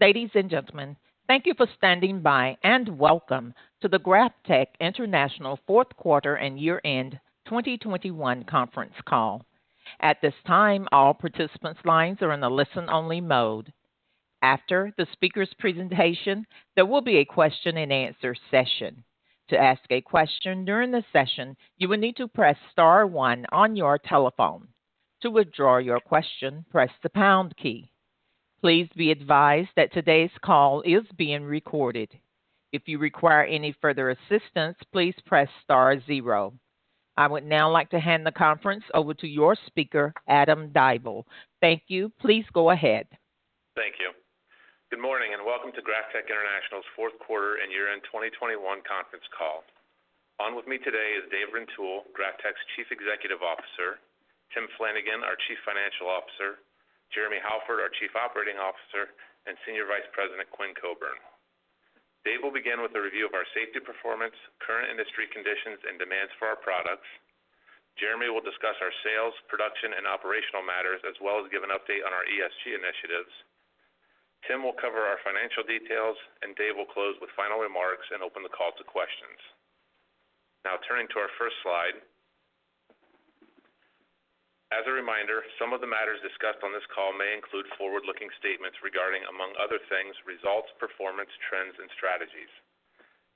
Ladies and gentlemen, thank you for standing by and welcome to the GrafTech International Q4 and year-end 2021 conference call. At this time, all participants' lines are in a listen-only mode. After the speaker's presentation, there will be a Q&A session. To ask a question during the session, you will need to press star one on your telephone. To withdraw your question, press the pound key. Please be advised that today's call is being recorded. If you require any further assistance, please press star zero. I would now like to hand the conference over to your speaker, Adam Dible. Thank you. Please go ahead. Thank you. Good morning and welcome to GrafTech International's Q4 and year-end 2021 Conference Call. On with me today is Dave Rintoul, GrafTech's Chief Executive Officer, Tim Flanagan, our Chief Financial Officer, Jeremy Halford, our Chief Operating Officer, and Senior Vice President Quinn Coburn. Dave will begin with a review of our safety performance, current industry conditions, and demands for our products. Jeremy will discuss our sales, production, and operational matters, as well as give an update on our ESG initiatives. Tim will cover our financial details, and Dave will close with final remarks and open the call to questions. Now turning to our first slide. As a reminder, some of the matters discussed on this call may include forward-looking statements regarding, among other things, results, performance, trends, and strategies.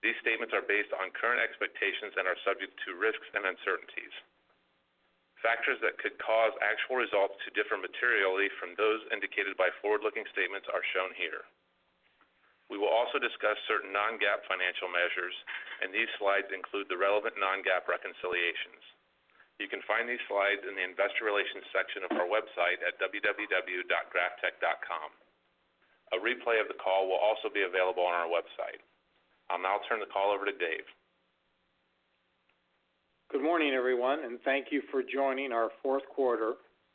These statements are based on current expectations and are subject to risks and uncertainties. Factors that could cause actual results to differ materially from those indicated by forward-looking statements are shown here. We will also discuss certain non-GAAP financial measures, and these slides include the relevant non-GAAP reconciliations. You can find these slides in the investor relations section of our website at www.graftech.com. A replay of the call will also be available on our website. I'll now turn the call over to Dave. Good morning, everyone, and thank you for joining our Q4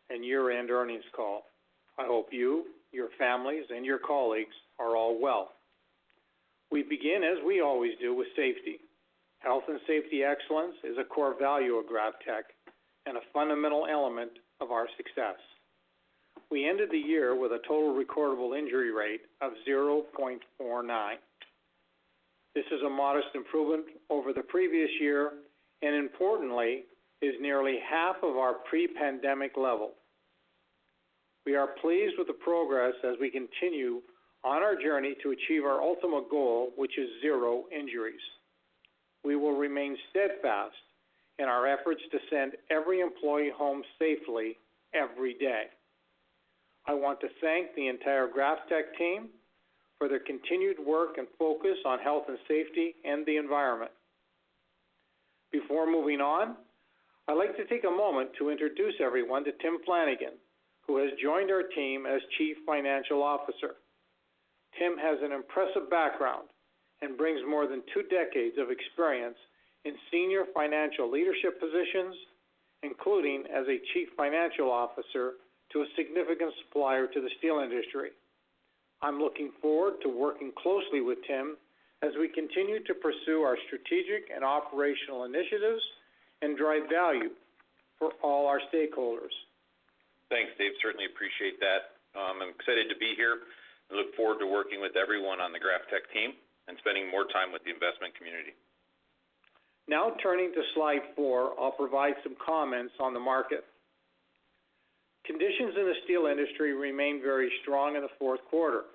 and year-end Earnings Call. I hope you, your families, and your colleagues are all well. We begin, as we always do, with safety. Health and safety excellence is a core value of GrafTech and a fundamental element of our success. We ended the year with a Total Recordable Incident Rate of 0.49. This is a modest improvement over the previous year and importantly is nearly half of our pre-pandemic level. We are pleased with the progress as we continue on our journey to achieve our ultimate goal, which is zero injuries. We will remain steadfast in our efforts to send every employee home safely every day. I want to thank the entire GrafTech team for their continued work and focus on health and safety and the environment. Before moving on, I'd like to take a moment to introduce everyone to Tim Flanagan, who has joined our team as Chief Financial Officer. Tim has an impressive background and brings more than two decades of experience in senior financial leadership positions, including as a Chief Financial Officer to a significant supplier to the steel industry. I'm looking forward to working closely with Tim as we continue to pursue our strategic and operational initiatives and drive value for all our stakeholders. Thanks, Dave. Certainly appreciate that. I'm excited to be here. I look forward to working with everyone on the GrafTech team and spending more time with the investment community. Now, turning to slide four, I'll provide some comments on the market. Conditions in the steel industry remained very strong in the Q4.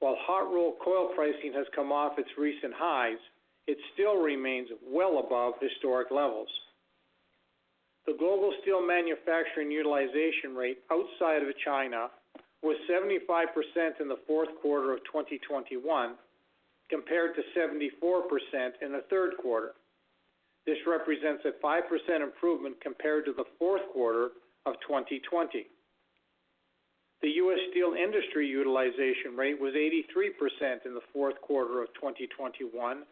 While Hot Rolled Coil pricing has come off its recent highs, it still remains well above historic levels. The global steel manufacturing utilization rate outside of China was 75% in the Q4 of 2021 compared to 74% in the Q3. This represents a 5% improvement compared to the Q4 of 2020. The U.S. steel industry utilization rate was 83% in the Q4 of 2021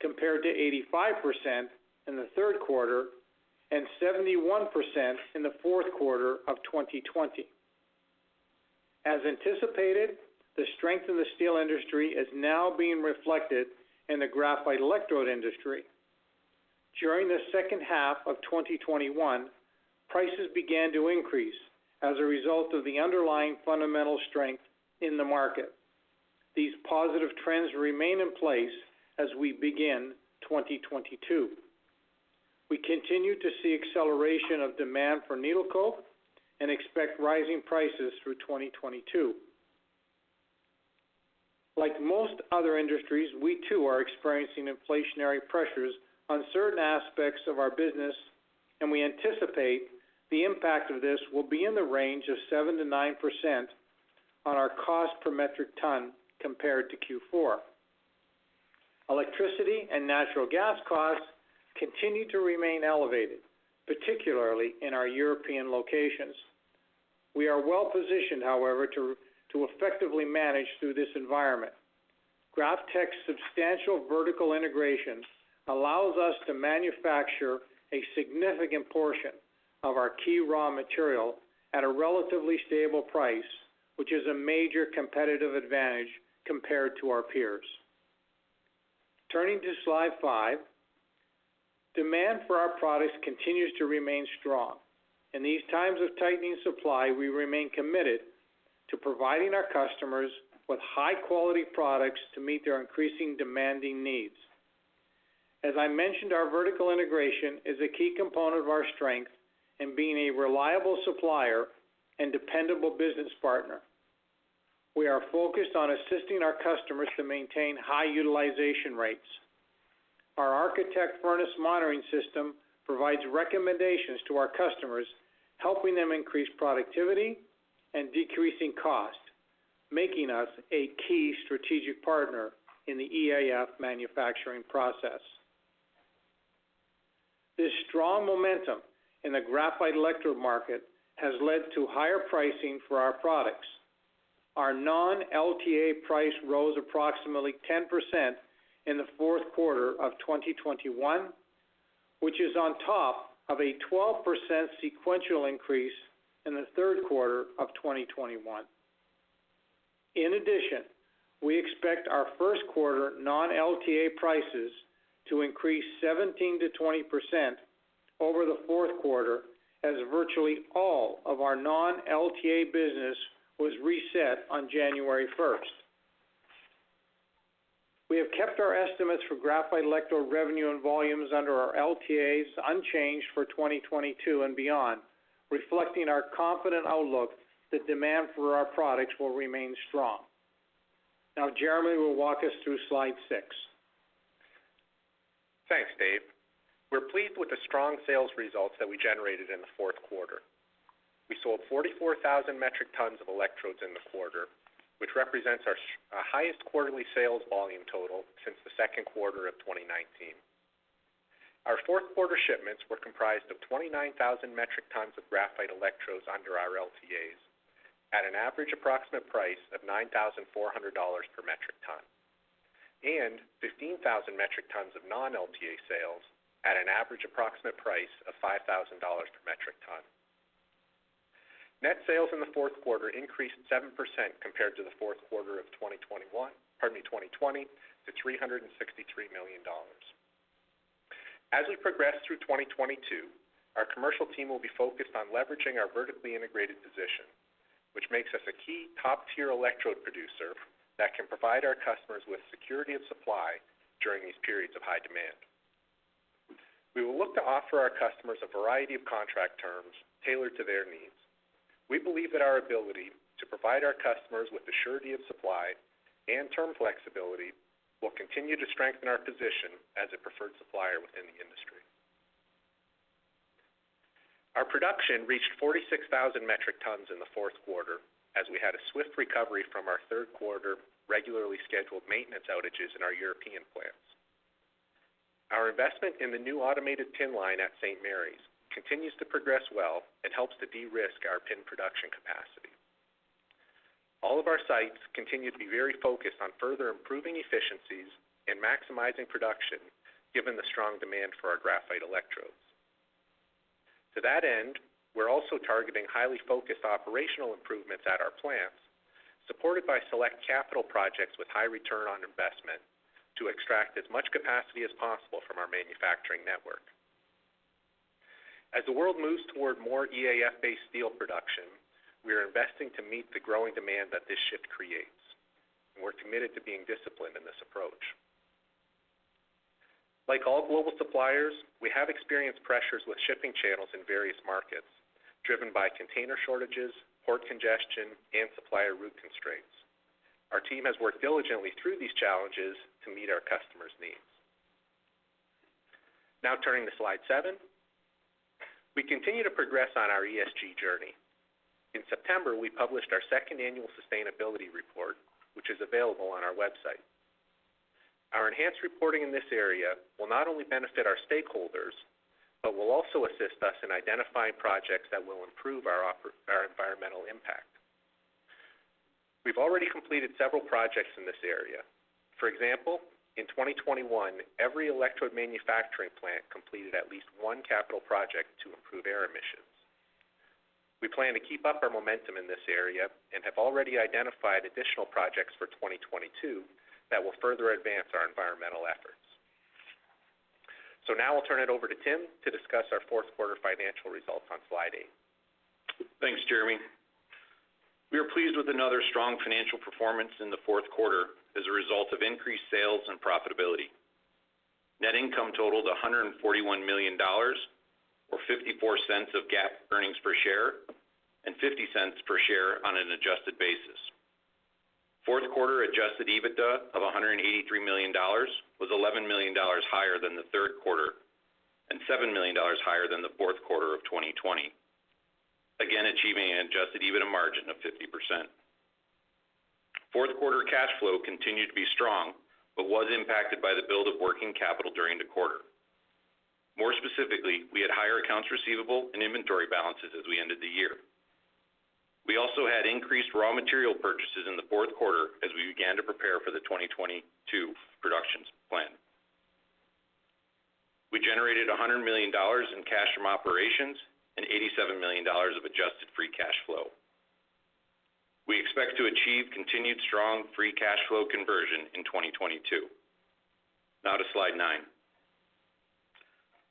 compared to 85% in the Q3 and 71% in the Q4 of 2020. As anticipated, the strength in the steel industry is now being reflected in the graphite electrode industry. During the second half of 2021, prices began to increase as a result of the underlying fundamental strength in the market. These positive trends remain in place as we begin 2022. We continue to see acceleration of demand for needle coke and expect rising prices through 2022. Like most other industries, we too are experiencing inflationary pressures on certain aspects of our business, and we anticipate the impact of this will be in the range of 7% to 9% on our cost per metric ton compared to Q4. Electricity and natural gas costs continue to remain elevated, particularly in our European locations. We are well positioned, however, to effectively manage through this environment. GrafTech's substantial vertical integration allows us to manufacture a significant portion of our key raw material at a relatively stable price, which is a major competitive advantage compared to our peers. Turning to slide five. Demand for our products continues to remain strong. In these times of tightening supply, we remain committed to providing our customers with high-quality products to meet their increasing demanding needs. As I mentioned, our vertical integration is a key component of our strength in being a reliable supplier and dependable business partner. We are focused on assisting our customers to maintain high utilization rates. Our ArchiTech furnace monitoring system provides recommendations to our customers, helping them increase productivity and decreasing costs, making us a key strategic partner in the EAF manufacturing process. This strong momentum in the graphite electrode market has led to higher pricing for our products. Our non-LTA price rose approximately 10% in the Q4 of 2021, which is on top of a 12% sequential increase in the Q3 of 2021. In addition, we expect our Q1 non-LTA prices to increase 17% to 20% over the Q4 as virtually all of our non-LTA business was reset on January 1st. We have kept our estimates for graphite electrode revenue and volumes under our LTAs unchanged for 2022 and beyond, reflecting our confident outlook that demand for our products will remain strong. Now Jeremy will walk us through slide six. Thanks, Dave. We're pleased with the strong sales results that we generated in the Q4. We sold 44,000 metric tons of electrodes in the quarter, which represents our highest quarterly sales volume total since the Q2 of 2019. Our Q4 shipments were comprised of 29,000 metric tons of graphite electrodes under our LTAs at an average approximate price of $9,400 per metric ton, and 15,000 metric tons of non-LTA sales at an average approximate price of $5,000 per metric ton. Net sales in the Q4 increased 7% compared to the Q4 of 2021, pardon me, 2020, to $363 million. As we progress through 2022, our commercial team will be focused on leveraging our vertically integrated position, which makes us a key top-tier electrode producer that can provide our customers with security of supply during these periods of high demand. We will look to offer our customers a variety of contract terms tailored to their needs. We believe that our ability to provide our customers with the surety of supply and term flexibility will continue to strengthen our position as a preferred supplier within the industry. Our production reached 46,000 metric tons in the Q4 as we had a swift recovery from our Q3 regularly scheduled maintenance outages in our European plants. Our investment in the new automated PIN line at St. Marys continues to progress well and helps to de-risk our PIN production capacity. All of our sites continue to be very focused on further improving efficiencies and maximizing production given the strong demand for our graphite electrodes. To that end, we're also targeting highly focused operational improvements at our plants, supported by select capital projects with high return on investment to extract as much capacity as possible from our manufacturing network. As the world moves toward more EAF-based steel production, we are investing to meet the growing demand that this shift creates, and we're committed to being disciplined in this approach. Like all global suppliers, we have experienced pressures with shipping channels in various markets, driven by container shortages, port congestion, and supplier route constraints. Our team has worked diligently through these challenges to meet our customers' needs. Now turning to slide seven. We continue to progress on our ESG journey. In September, we published our second annual sustainability report, which is available on our website. Our enhanced reporting in this area will not only benefit our stakeholders, but will also assist us in identifying projects that will improve our environmental impact. We've already completed several projects in this area. For example, in 2021, every electrode manufacturing plant completed at least one capital project to improve air emissions. We plan to keep up our momentum in this area and have already identified additional projects for 2022 that will further advance our environmental efforts. Now I'll turn it over to Tim to discuss our Q4 financial results on slide eight. Thanks, Jeremy. We are pleased with another strong financial performance in the Q4 as a result of increased sales and profitability. Net income totaled $141 million or $0.54 of GAAP earnings per share and $0.50 per share on an adjusted basis. Q4 adjusted EBITDA of $183 million was $11 million higher than the Q3 and $7 million higher than the Q4 of 2020, again achieving an adjusted EBITDA margin of 50%. Q4 cash flow continued to be strong, but was impacted by the build of working capital during the quarter. More specifically, we had higher accounts receivable and inventory balances as we ended the year. We also had increased raw material purchases in the Q4 as we began to prepare for the 2022 production plan. We generated $100 million in cash from operations and $87 million of Adjusted Free Cash Flow. We expect to achieve continued strong free cash flow conversion in 2022. Now to slide nine.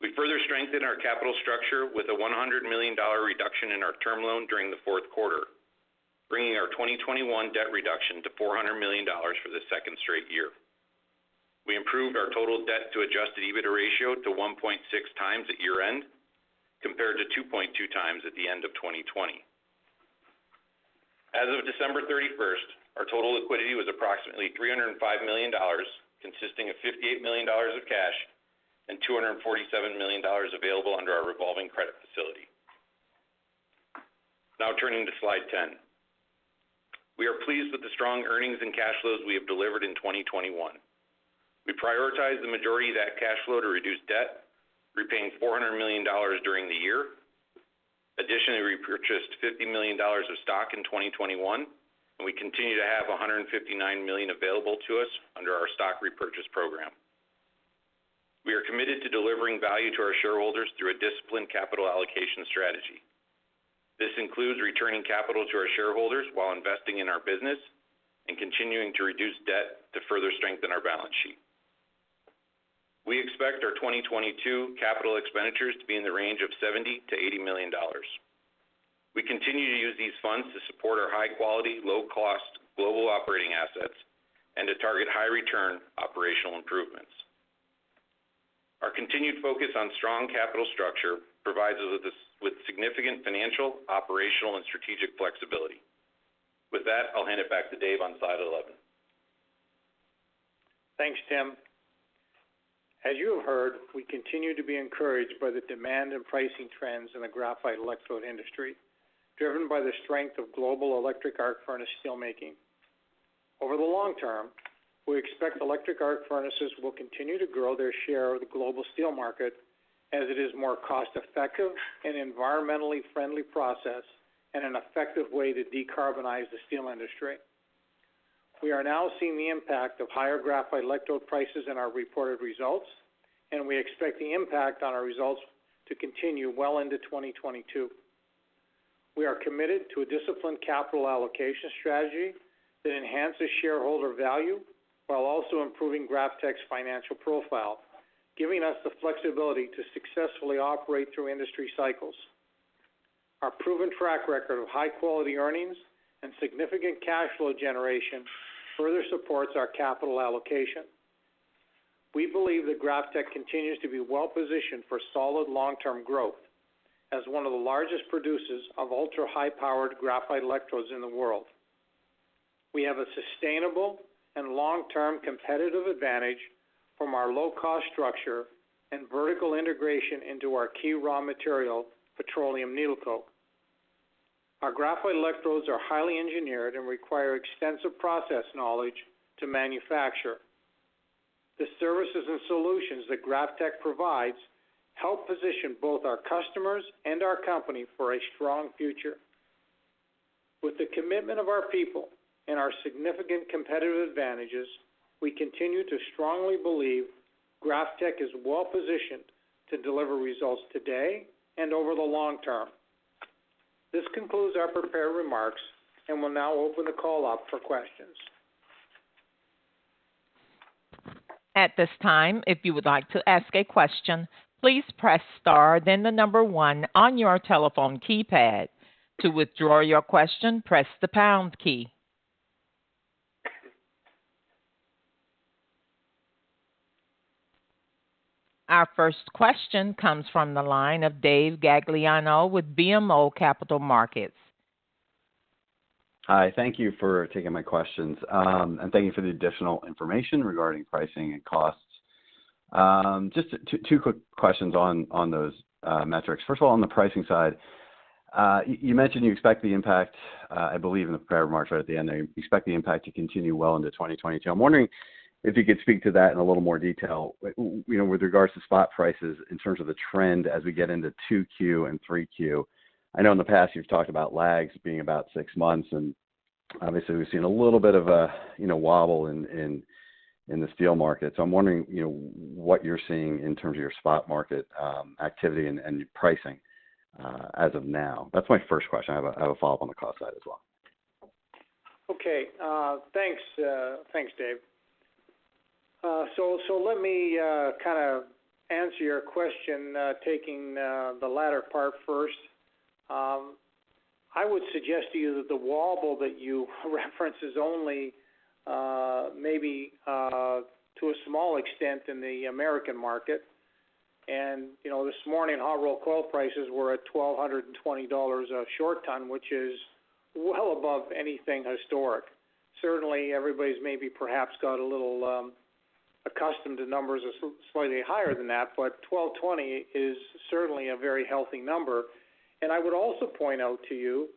We further strengthened our capital structure with a $100 million reduction in our term loan during the Q4, bringing our 2021 debt reduction to $400 million for the second straight year. We improved our total debt to Adjusted EBITDA ratio to 1.6x at year-end, compared to 2.2x at the end of 2020. As of December 31st, our total liquidity was approximately $305 million, consisting of $58 million of cash and $247 million available under our Revolving Credit Facility. Now turning to slide 10. We are pleased with the strong earnings and cash flows we have delivered in 2021. We prioritize the majority of that cash flow to reduce debt, repaying $400 million during the year. Additionally, we purchased $50 million of stock in 2021, and we continue to have 159 million available to us under our stock repurchase program. We are committed to delivering value to our shareholders through a disciplined capital allocation strategy. This includes returning capital to our shareholders while investing in our business and continuing to reduce debt to further strengthen our balance sheet. We expect our 2022 capital expenditures to be in the range of $70 million to $80 million. We continue to use these funds to support our high-quality, low-cost global operating assets and to target high return operational improvements. Our continued focus on strong capital structure provides us with significant financial, operational, and strategic flexibility. With that, I'll hand it back to Dave on slide 11. Thanks, Tim. As you have heard, we continue to be encouraged by the demand and pricing trends in the graphite electrode industry, driven by the strength of global electric arc furnace steel making. Over the long term, we expect electric arc furnaces will continue to grow their share of the global steel market as it is more cost effective and environmentally friendly process and an effective way to decarbonize the steel industry. We are now seeing the impact of higher graphite electrode prices in our reported results, and we expect the impact on our results to continue well into 2022. We are committed to a disciplined capital allocation strategy that enhances shareholder value while also improving GrafTech's financial profile, giving us the flexibility to successfully operate through industry cycles. Our proven track record of high-quality earnings and significant cash flow generation further supports our capital allocation. We believe that GrafTech continues to be well-positioned for solid long-term growth as one of the largest producers of ultra-high-powered graphite electrodes in the world. We have a sustainable and long-term competitive advantage from our low-cost structure and vertical integration into our key raw material, petroleum needle coke. Our graphite electrodes are highly engineered and require extensive process knowledge to manufacture. The services and solutions that GrafTech provides help position both our customers and our company for a strong future. With the commitment of our people and our significant competitive advantages, we continue to strongly believe GrafTech is well-positioned to deliver results today and over the long term. This concludes our prepared remarks, and we'll now open the call up for questions. Our first question comes from the line of David Gagliano with BMO Capital Markets. Hi, thank you for taking my questions, and thank you for the additional information regarding pricing and costs. Just two quick questions on those metrics. First of all, on the pricing side, you mentioned you expect the impact, I believe in the prepared remarks right at the end there, you expect the impact to continue well into 2022. I'm wondering if you could speak to that in a little more detail, you know, with regards to spot prices in terms of the trend as we get into Q2 and Q3. I know in the past you've talked about lags being about six months, and obviously we've seen a little bit of a you know, wobble in the steel market. I'm wondering, you know, what you're seeing in terms of your spot market, activity and pricing, as of now. That's my first question. I have a follow-up on the cost side as well. Thanks, Dave. So let me kind of answer your question, taking the latter part first. I would suggest to you that the wobble that you reference is only maybe to a small extent in the American market. You know, this morning, Hot Rolled Coil prices were at $1,220 a short ton, which is well above anything historic. Certainly, everybody's maybe perhaps got a little accustomed to numbers slightly higher than that, but $1,220 is certainly a very healthy number. I would also point out to you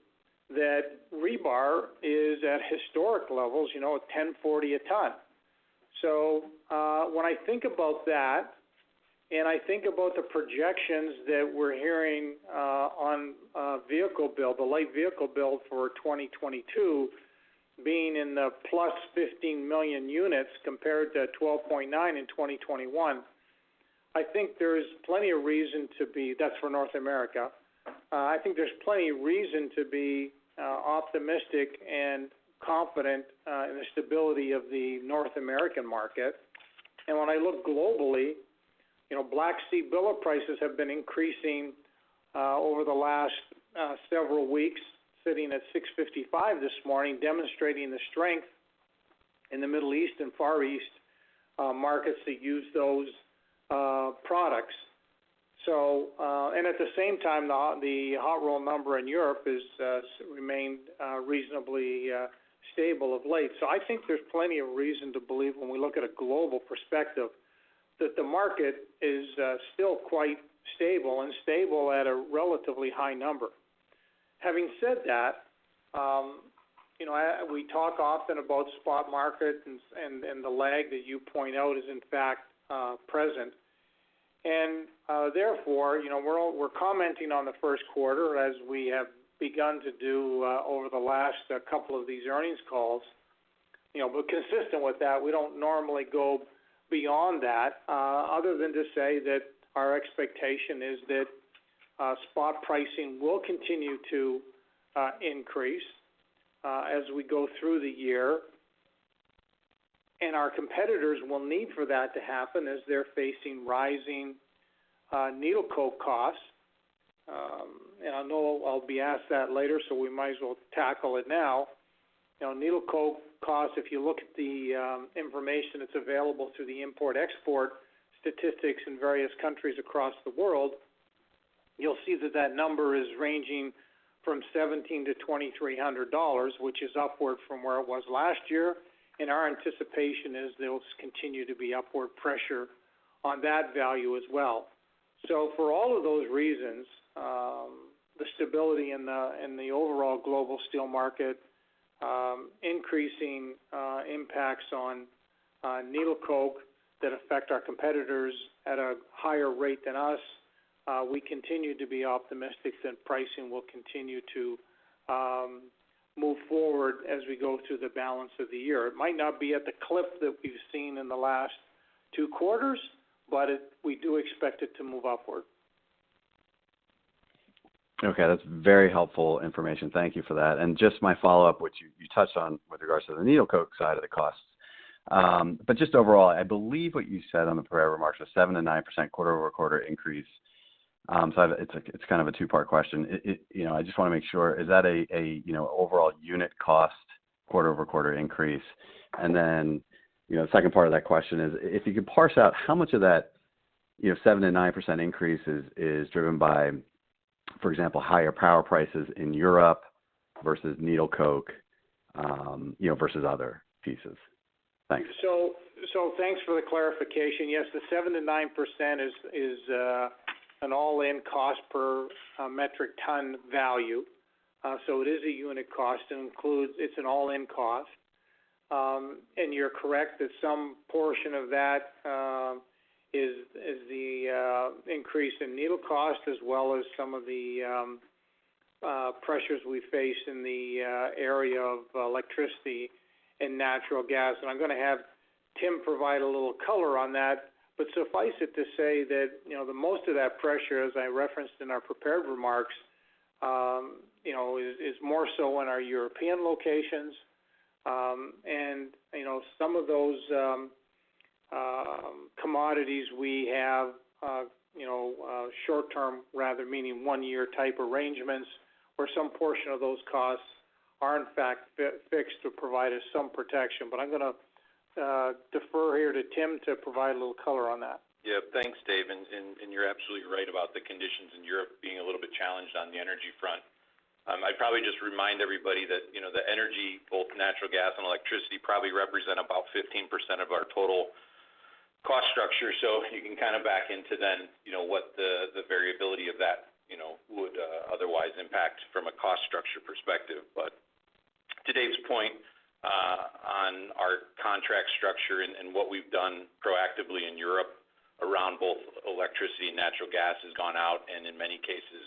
that rebar is at historic levels, you know, at $1,040 a ton. When I think about that, and I think about the projections that we're hearing on vehicle build, the light vehicle build for 2022 being in the +15 million units compared to 12.9 million in 2021, I think there's plenty of reason to be. That's for North America. I think there's plenty of reason to be optimistic and confident in the stability of the North American market. When I look globally, you know, Black Sea billet prices have been increasing over the last several weeks, sitting at $655 this morning, demonstrating the strength in the Middle East and Far East markets that use those products. At the same time, the Hot Rolled Coil number in Europe has remained reasonably stable of late. I think there's plenty of reason to believe when we look at a global perspective, that the market is still quite stable, and stable at a relatively high number. Having said that, you know, we talk often about spot markets and the lag that you point out is in fact present. Therefore, you know, we're commenting on the Q1 as we have begun to do over the last couple of these earnings calls. You know, consistent with that, we don't normally go beyond that other than to say that our expectation is that spot pricing will continue to increase as we go through the year. Our competitors will need for that to happen as they're facing rising needle coke costs. I know I'll be asked that later, so we might as well tackle it now. You know, needle coke costs, if you look at the information that's available through the import-export statistics in various countries across the world, you'll see that that number is ranging from $1,700 to $2,300, which is upward from where it was last year. Our anticipation is there will continue to be upward pressure on that value as well. For all of those reasons, the stability in the overall global steel market, increasing impacts on needle coke that affect our competitors at a higher rate than us, we continue to be optimistic that pricing will continue to move forward as we go through the balance of the year. It might not be at the clip that we've seen in the last two quarters, but we do expect it to move upward. Okay, that's very helpful information. Thank you for that. Just my follow-up, which you touched on with regards to the needle coke side of the costs. But just overall, I believe what you said on the prepared remarks, a 7% to 9% quarter-over-quarter increase. So it's kind of a two-part question. You know, I just want to make sure, is that a you know, overall unit cost quarter-over-quarter increase? And then, you know, the second part of that question is, if you could parse out how much of that, you know, 7% to 9% increase is driven by, for example, higher power prices in Europe versus needle coke, you know, versus other pieces. Thanks. Thanks for the clarification. Yes, the 7% to 9% is an all-in cost per metric ton value. So it is a unit cost and includes. It's an all-in cost. And you're correct that some portion of that is the increase in needle coke, as well as some of the pressures we face in the area of electricity and natural gas. I'm gonna have Tim provide a little color on that. Suffice it to say that, you know, the most of that pressure, as I referenced in our prepared remarks, you know, is more so in our European locations. You know, some of those commodities we have, you know, short term, rather meaning one-year type arrangements, where some portion of those costs are in fact fixed to provide us some protection. I'm gonna defer here to Tim to provide a little color on that. Yeah. Thanks, Dave. You're absolutely right about the conditions in Europe being a little bit challenged on the energy front. I'd probably just remind everybody that, you know, the energy, both natural gas and electricity, probably represent about 15% of our total cost structure. You can kind of back into then, you know, what the variability of that, you know, would otherwise impact from a cost structure perspective. To Dave's point, on our contract structure and what we've done proactively in Europe around both electricity and natural gas has gone out, and in many cases,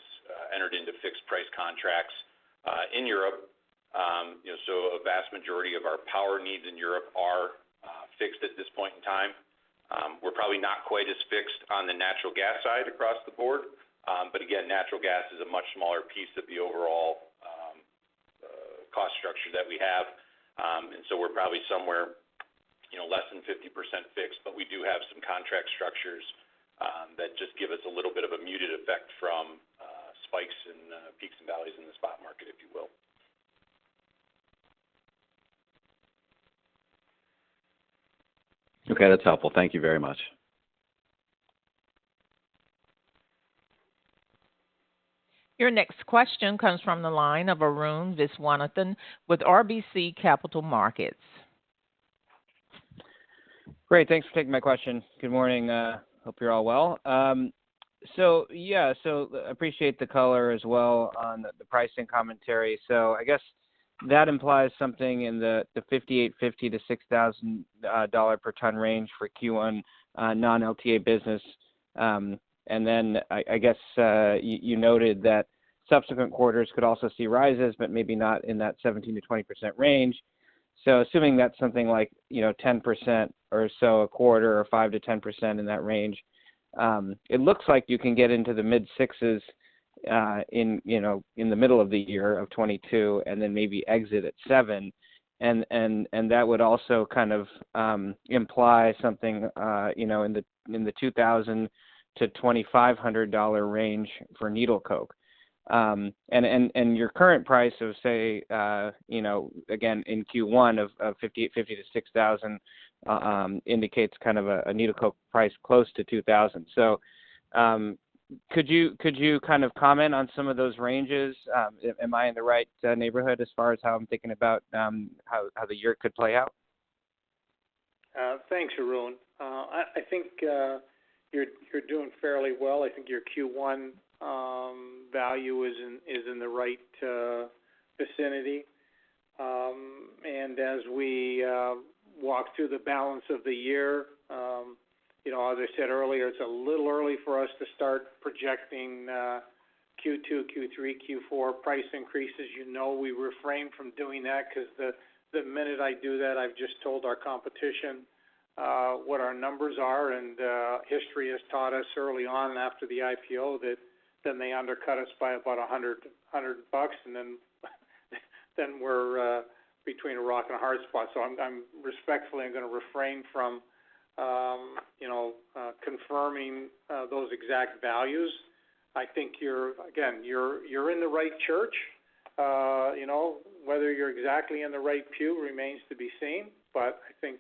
entered into fixed price contracts in Europe. You know, a vast majority of our power needs in Europe are fixed at this point in time. We're probably not quite as fixed on the natural gas side across the board. Again, natural gas is a much smaller piece of the overall cost structure that we have. We're probably somewhere, you know, less than 50% fixed, but we do have some contract structures that just give us a little bit of a muted effect from spikes and peaks and valleys in the spot market, if you will. Okay. That's helpful. Thank you very much. Your next question comes from the line of Arun Viswanathan with RBC Capital Markets. Great. Thanks for taking my question. Good morning. Hope you're all well. So yeah, appreciate the color as well on the pricing commentary. I guess that implies something in the 5,850 to 6,000 dollar per ton range for Q1 non-LTA business. I guess you noted that subsequent quarters could also see rises, but maybe not in that 17% to 20% range. Assuming that's something like, you know, 10% or so a quarter or 5% to 10% in that range, it looks like you can get into the mid-60s in, you know, in the middle of the year of 2022, and then maybe exit at seven. That would also kind of imply something, you know, in the $2000 to $2500 range for needle coke. Your current price of say, you know, again, in Q1 of $50,000 to $60,000 indicates kind of a needle coke price close to $2000. Could you kind of comment on some of those ranges? Am I in the right neighborhood as far as how I'm thinking about how the year could play out? Thanks, Arun. I think you're doing fairly well. I think your Q1 value is in the right vicinity. As we walk through the balance of the year, you know, as I said earlier, it's a little early for us to start projecting Q2, Q3, Q4 price increases. You know, we refrain from doing that because the minute I do that, I've just told our competition what our numbers are. History has taught us early on after the IPO that then they undercut us by about $100, and then we're between a rock and a hard spot. I'm respectfully gonna refrain from confirming those exact values. I think you're again in the right church. You know, whether you're exactly in the right pew remains to be seen. I think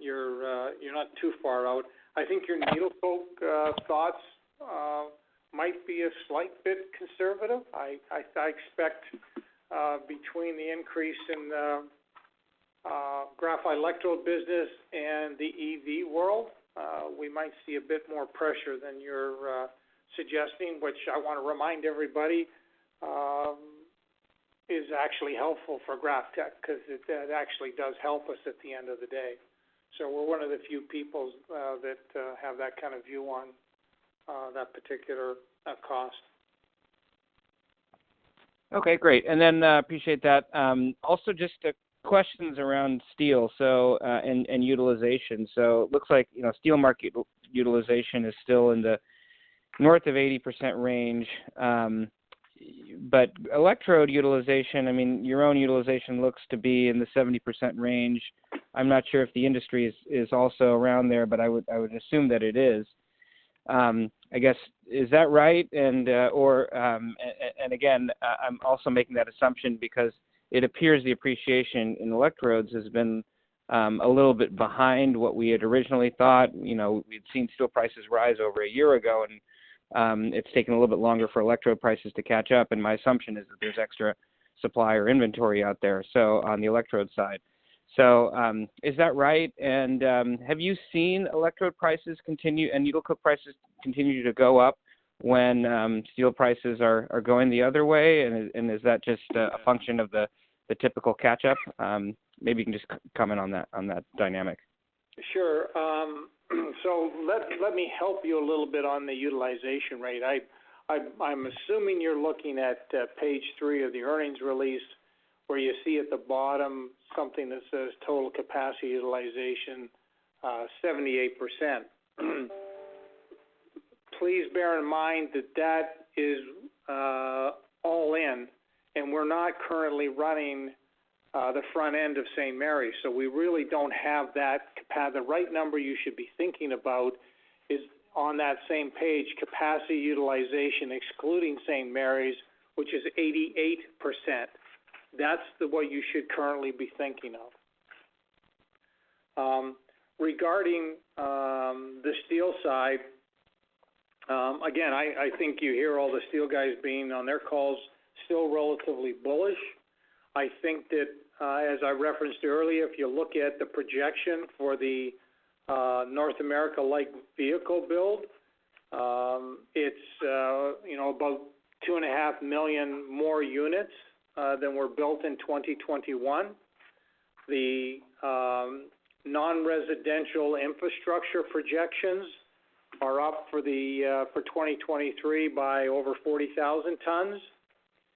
you're not too far out. I think your needle coke thoughts might be a slight bit conservative. I expect between the increase in graphite electrode business and the EV world we might see a bit more pressure than you're suggesting, which I wanna remind everybody is actually helpful for GrafTech because it actually does help us at the end of the day. We're one of the few people that have that kind of view on that particular cost. Okay, great. Appreciate that. Also just questions around steel and utilization. Looks like, you know, steel market utilization is still in the north of 80% range. Electrode utilization, I mean, your own utilization looks to be in the 70% range. I'm not sure if the industry is also around there, but I would assume that it is. I guess, is that right? Again, I'm also making that assumption because it appears the appreciation in electrodes has been a little bit behind what we had originally thought. You know, we'd seen steel prices rise over a year ago, and it's taken a little bit longer for electrode prices to catch up. My assumption is that there's extra supply or inventory out there, so on the electrode side. Is that right? Have you seen electrode prices continue and needle coke prices continue to go up when steel prices are going the other way? Is that just a function of the typical catch-up? Maybe you can just comment on that, on that dynamic. Sure. Let me help you a little bit on the utilization rate. I'm assuming you're looking at page three of the earnings release, where you see at the bottom something that says total capacity utilization 78%. Please bear in mind that is all in, and we're not currently running the front end of St. Mary's. We really don't have that. The right number you should be thinking about is on that same page, capacity utilization excluding St. Mary's, which is 88%. That's the way you should currently be thinking of. Regarding the steel side, again, I think you hear all the steel guys being on their calls still relatively bullish. I think that, as I referenced earlier, if you look at the projection for the, North America light vehicle build, it's, you know, about 2.5 million more units, than were built in 2021. The, non-residential infrastructure projections are up for the, for 2023 by over 40,000 tons.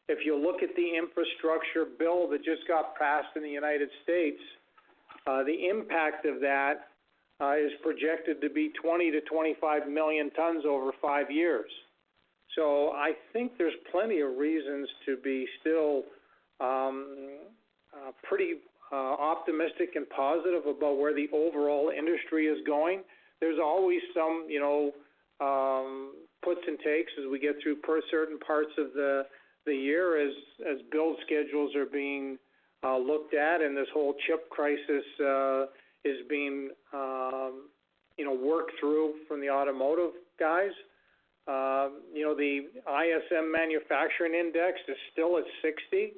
If you look at the infrastructure bill that just got passed in the United States, the impact of that, is projected to be 20 million to 25 million tons over five years. I think there's plenty of reasons to be still, pretty, optimistic and positive about where the overall industry is going. There's always some, you know, puts and takes as we get through particular parts of the year as build schedules are being looked at and this whole chip crisis is being worked through from the automotive guys. The ISM Manufacturing Index is still at 60.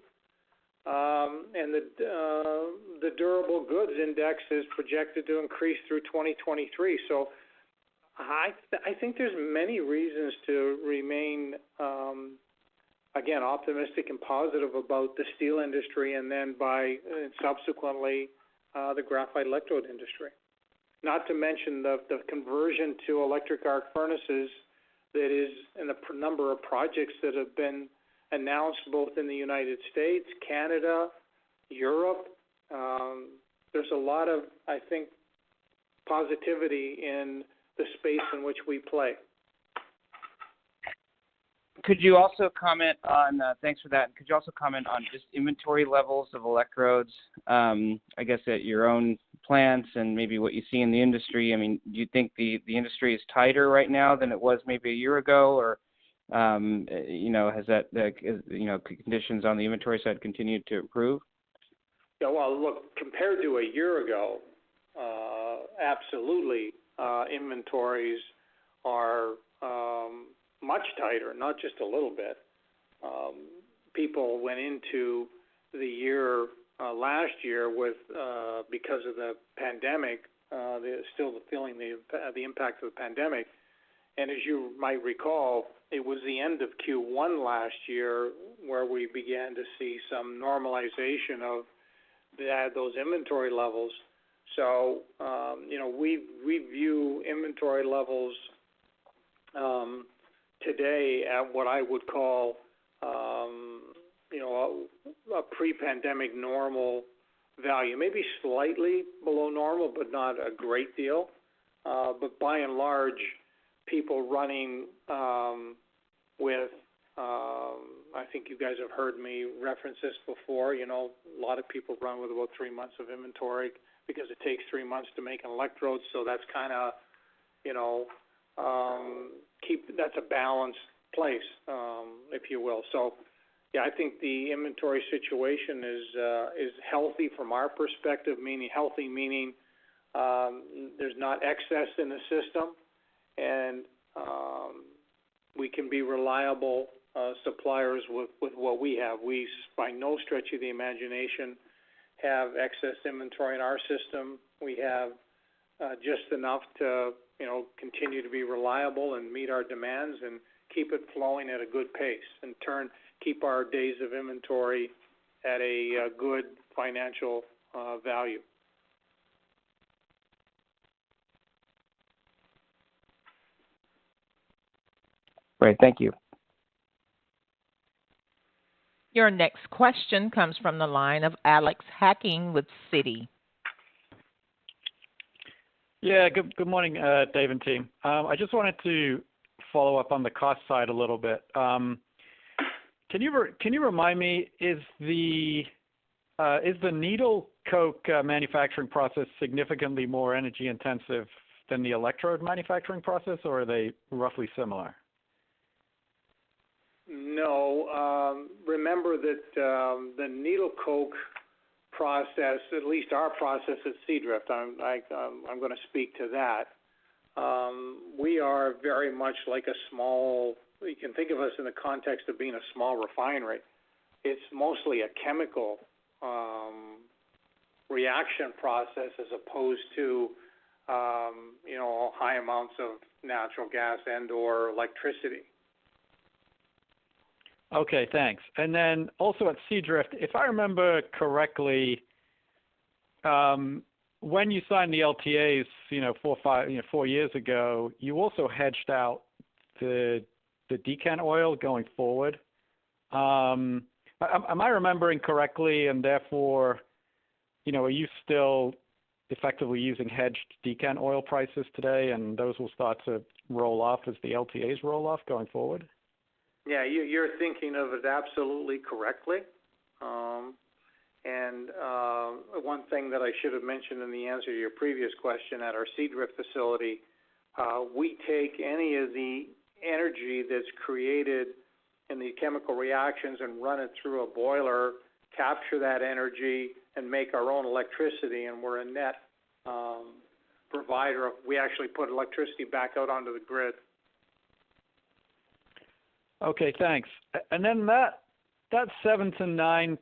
The Durable Goods Orders is projected to increase through 2023. I think there's many reasons to remain again optimistic and positive about the steel industry, and then subsequently the graphite electrode industry. Not to mention the conversion to electric arc furnaces that is in a number of projects that have been announced both in the United States, Canada, Europe. There's a lot of, I think, positivity in the space in which we play. Thanks for that. Could you also comment on just inventory levels of electrodes, I guess at your own plants and maybe what you see in the industry? I mean, do you think the industry is tighter right now than it was maybe a year ago? Or, you know, has that, like, you know, conditions on the inventory side continued to improve? Yeah. Well, look, compared to a year ago, absolutely, inventories are much tighter, not just a little bit. People went into the year last year because of the pandemic. There's still the feeling of the impact of the pandemic. As you might recall, it was the end of Q1 last year where we began to see some normalization of those inventory levels. You know, we review inventory levels today at what I would call, you know, a pre-pandemic normal value, maybe slightly below normal, but not a great deal. But by and large, people running with, I think you guys have heard me reference this before, you know, a lot of people run with about three months of inventory because it takes three months to make an electrode. That's kinda, you know, that's a balanced place, if you will. Yeah, I think the inventory situation is healthy from our perspective, meaning healthy, meaning there's not excess in the system, and we can be reliable suppliers with what we have. We, by no stretch of the imagination, have excess inventory in our system. We have just enough to, you know, continue to be reliable and meet our demands and keep it flowing at a good pace, in turn, keep our days of inventory at a good financial value. Great. Thank you. Your next question comes from the line of Alex Hacking with Citi. Yeah. Good morning, Dave and team. I just wanted to follow up on the cost side a little bit. Can you remind me, is the needle coke manufacturing process significantly more energy-intensive than the electrode manufacturing process, or are they roughly similar? No. Remember that, the needle coke process, at least our process at Seadrift, I'm like, I'm gonna speak to that. We are very much like a small refinery. You can think of us in the context of being a small refinery. It's mostly a chemical reaction process as opposed to, you know, high amounts of natural gas and/or electricity. Okay, thanks. Also at Seadrift, if I remember correctly, when you signed the LTAs, you know, four, five, you know, four years ago, you also hedged out the decant oil going forward. Am I remembering correctly, and therefore, you know, are you still effectively using hedged decant oil prices today, and those will start to roll off as the LTAs roll off going forward? Yeah. You're thinking of it absolutely correctly. One thing that I should have mentioned in the answer to your previous question, at our Seadrift facility, we take any of the energy that's created in the chemical reactions and run it through a boiler, capture that energy, and make our own electricity, and we're a net provider. We actually put electricity back out onto the grid. Okay, thanks. That 7%9%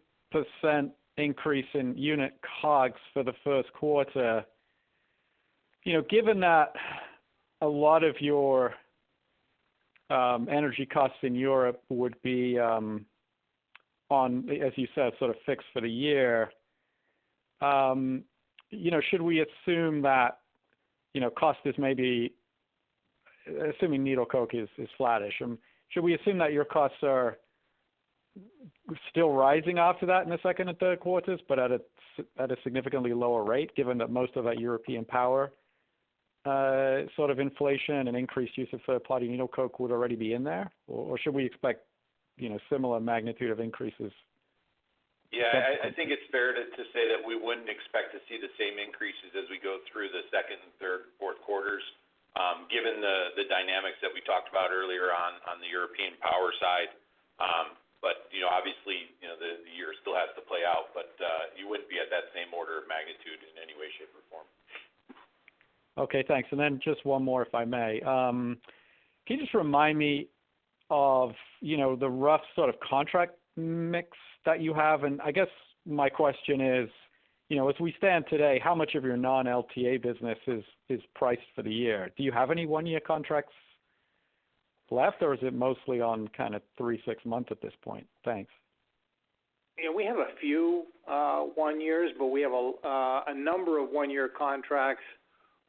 increase in unit COGS for the Q1, you know, given that a lot of your energy costs in Europe would be on, as you said, sort of fixed for the year, you know, assuming needle coke is flattish, should we assume that your costs are still rising after that in the second and Q3s, but at a significantly lower rate, given that most of that European power sort of inflation and increased use of spot needle coke would already be in there? Or should we expect, you know, similar magnitude of increases? Yeah. I think it's fair to say that we wouldn't expect to see the same increases as we go through the Q2, Q3, and Q4s, given the dynamics that we talked about earlier on the European power side. You know, obviously, you know, the year still has to play out, but you wouldn't be at that same order of magnitude in any way, shape, or form. Okay, thanks. Just one more, if I may. Can you just remind me of, you know, the rough sort of contract mix that you have? I guess my question is? You know, as we stand today, how much of your non-LTA business is priced for the year? Do you have any one-year contracts left, or is it mostly on kind of three to six months at this point? Thanks. Yeah, we have a few one-year, but we have a number of one-year contracts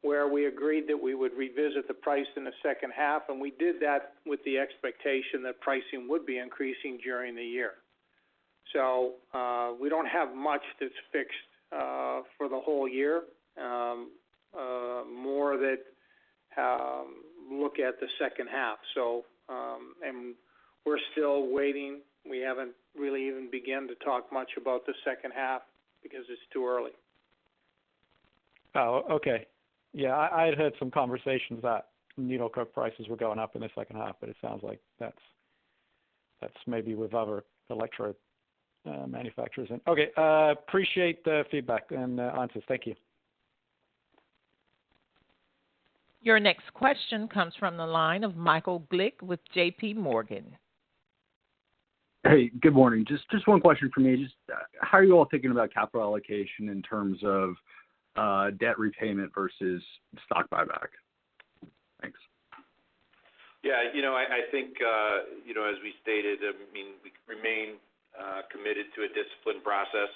where we agreed that we would revisit the price in the second half, and we did that with the expectation that pricing would be increasing during the year. We don't have much that's fixed for the whole year. More that look at the second half. We're still waiting. We haven't really even began to talk much about the second half because it's too early. Oh, okay. Yeah, I had heard some conversations that needle coke prices were going up in the second half, but it sounds like that's maybe with other electrode manufacturers. Okay, appreciate the feedback and the answers. Thank you. Your next question comes from the line of Michael Glick with JPMorgan. Hey, good morning. Just one question for me. Just how are you all thinking about capital allocation in terms of debt repayment versus stock buyback? Thanks. Yeah, you know, I think, you know, as we stated, I mean, we remain committed to a disciplined process.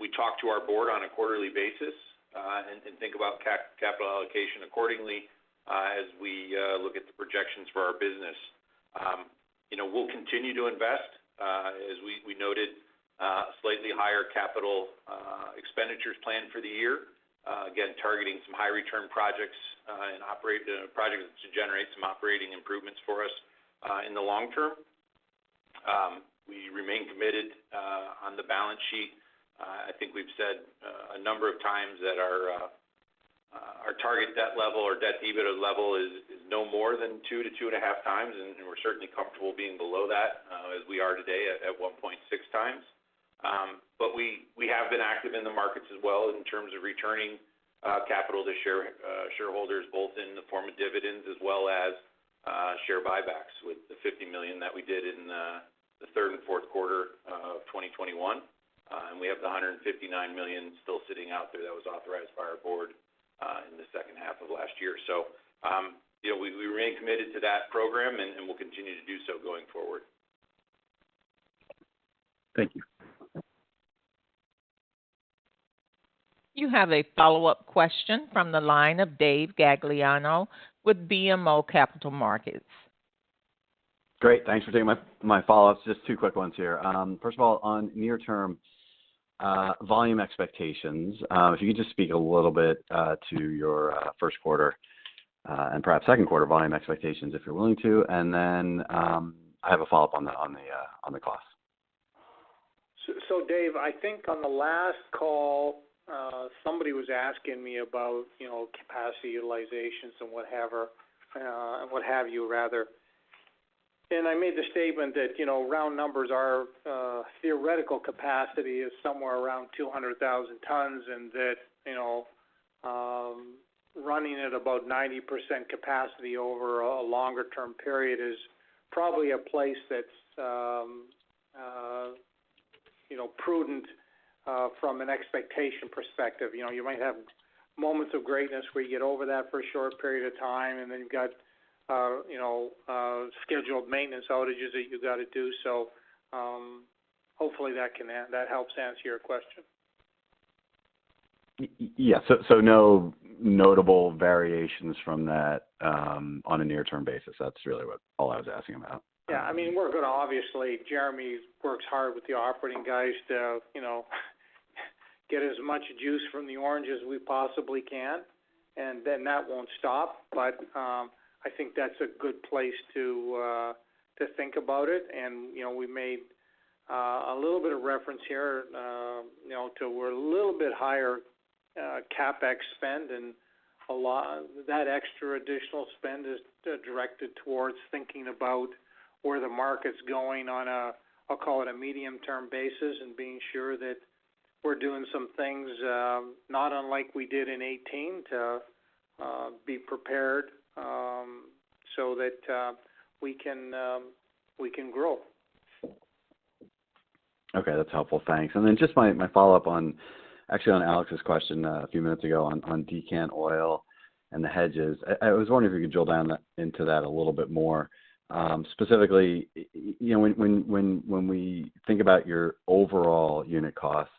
We talk to our board on a quarterly basis, and think about capital allocation accordingly, as we look at the projections for our business. You know, we'll continue to invest. As we noted, slightly higher capital expenditures planned for the year, again, targeting some high return projects to generate some operating improvements for us in the long term. We remain committed on the balance sheet. I think we've said a number of times that our target debt level or debt EBITDA level is no more than 2x to 2.5x, and we're certainly comfortable being below that, as we are today at 1.6x. We have been active in the markets as well in terms of returning capital to shareholders, both in the form of dividends as well as share buybacks with the $50 million that we did in the Q3 and Q4 of 2021. We have the $159 million still sitting out there that was authorized by our board in the second half of last year. You know, we remain committed to that program, and we'll continue to do so going forward. Thank you. You have a follow-up question from the line of David Gagliano with BMO Capital Markets. Great. Thanks for taking my follow-up. Just two quick ones here. First of all, on near-term volume expectations, if you could just speak a little bit to your Q1 and perhaps Q2 volume expectations, if you're willing to. I have a follow-up on the cost. Dave, I think on the last call, somebody was asking me about, you know, capacity utilizations and whatever, and what have you rather. I made the statement that, you know, round numbers are theoretical capacity is somewhere around 200,000 tons, and that, you know, running at about 90% capacity over a longer-term period is probably a place that's, you know, prudent, from an expectation perspective. You know, you might have moments of greatness where you get over that for a short period of time, and then you've got, you know, scheduled maintenance outages that you gotta do. Hopefully that helps answer your question. Yes. No notable variations from that, on a near-term basis. That's really what all I was asking about. Yeah. I mean, we're gonna obviously Jeremy works hard with the operating guys to, you know, get as much juice from the orange as we possibly can, and then that won't stop. I think that's a good place to think about it. You know, we made a little bit of reference here, you know, to we're a little bit higher CapEx spend and a lot of that extra additional spend is directed towards thinking about where the market's going on a, I'll call it a medium-term basis and being sure that we're doing some things not unlike we did in 2018 to be prepared so that we can grow. Okay. That's helpful. Thanks. Just my follow-up on, actually on Alex's question a few minutes ago on decant oil and the hedges. I was wondering if you could drill down into that a little bit more. Specifically, you know, when we think about your overall unit costs,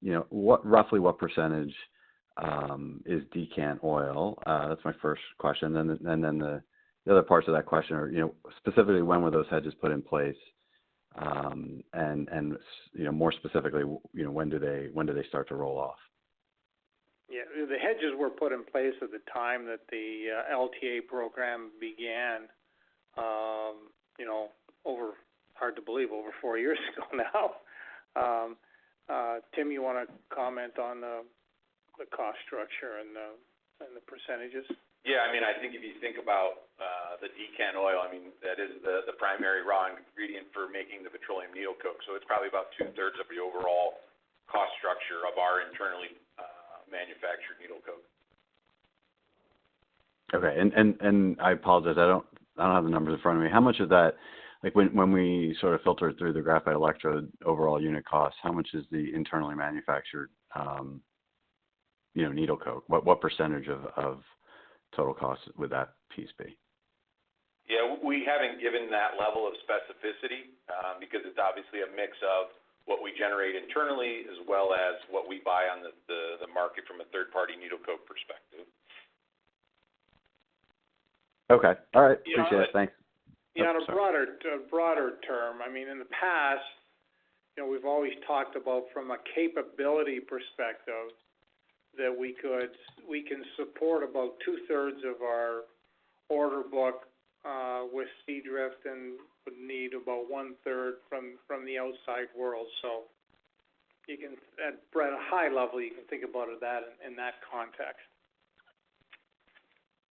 you know, roughly what percentage is decant oil? That's my first question. The other parts of that question are, you know, specifically, when were those hedges put in place? You know, more specifically, you know, when do they start to roll off? Yeah. The hedges were put in place at the time that the LTA program began, you know, over, hard to believe, over four years ago now. Tim, you wanna comment on the cost structure and the percentages? Yeah. I mean, I think if you think about the decant oil, I mean, that is the primary raw ingredient for making the petroleum needle coke. It's probably about two-thirds of the overall cost structure of our internally manufactured needle coke. Okay. I apologize, I don't have the numbers in front of me. How much of that, like, when we sort of filter through the graphite electrode overall unit cost, how much is the internally manufactured, you know, needle coke? What percentage of total cost would that piece be? Yeah. We haven't given that level of specificity, because it's obviously a mix of what we generate internally as well as what we buy on the market from a third-party needle coke perspective. Okay. All right. Appreciate it. Thanks. Yeah. On a broader term, I mean, in the past, you know, we've always talked about from a capability perspective that we can support about two-thirds of our order book with Seadrift and would need about one-third from the outside world. At a high level, you can think about it that way, in that context.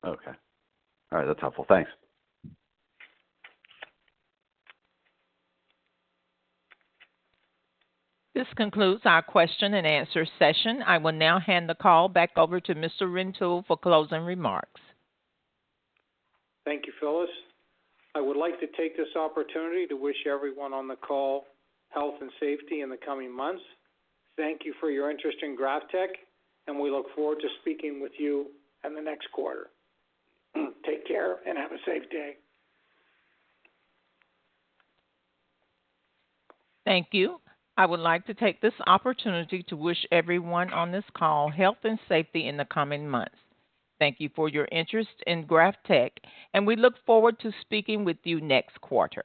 Okay. All right. That's helpful. Thanks. This concludes our Q&A. I will now hand the call back over to Mr. Rintoul for closing remarks. Thank you, Phyllis. I would like to take this opportunity to wish everyone on the call health and safety in the coming months. Thank you for your interest in GrafTech, and we look forward to speaking with you in the next quarter. Take care and have a safe day. Thank you. I would like to take this opportunity to wish everyone on this call health and safety in the coming months. Thank you for your interest in GrafTech, and we look forward to speaking with you next quarter.